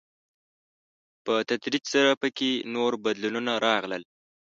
په تدريج سره په کې نور بدلونونه راغلل.